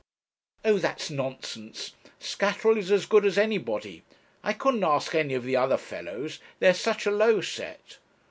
'Oh, that's nonsense Scatterall is as good as anybody I couldn't ask any of the other fellows they are such a low set.'